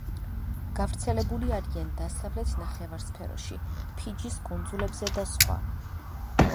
გავრცელებული არიან დასავლეთ ნახევარსფეროში, ფიჯის კუნძულებზე და სხვა.